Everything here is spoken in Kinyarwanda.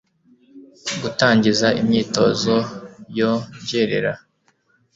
gutangiza imyitozo yo ngerera